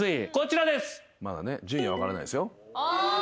まだ順位は分からないですよ。